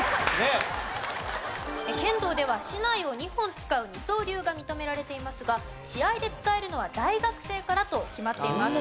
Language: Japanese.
剣道では竹刀を２本使う二刀流が認められていますが試合で使えるのは大学生からと決まっています。